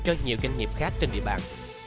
cho nhiều doanh nghiệp khác trên địa bàn